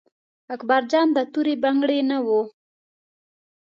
اکبر جان د تورې بنګړي نه و.